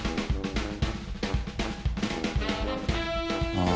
ああ。